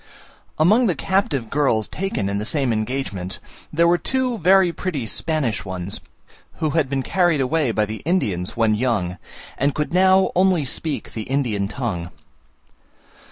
Among the captive girls taken in the same engagement, there were two very pretty Spanish ones, who had been carried away by the Indians when young, and could now only speak the Indian tongue.